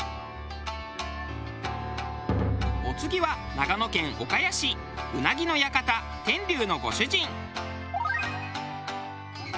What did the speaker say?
お次は長野県岡谷市うなぎの館天龍のご主人。